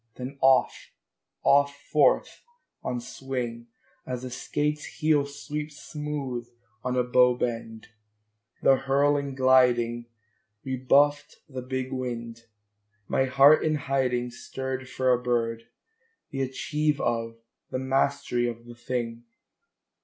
then off, off forth on swing, As a skate's heel sweeps smooth on a bow bend: the hurl and gliding Rebuffed the big wind. My heart in hiding Stirred for a bird, the achieve of, the mastery of the thing!